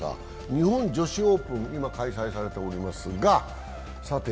日本女子オープン、今開催されていますがさて